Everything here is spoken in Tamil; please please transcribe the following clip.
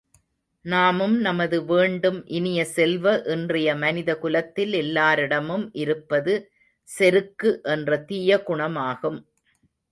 நாமும் நமதும் வேண்டும் இனிய செல்வ இன்றைய மனிதகுலத்தில் எல்லாரிடமும் இருப்பது செருக்கு என்ற தீய குணமாகும்.